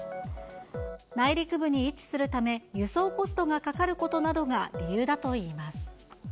内陸部に位置するため、輸送コストがかかることなどが理由だといいます。